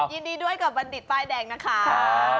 ยินดีด้วยกับบัณฑิตป้ายแดงนะคะ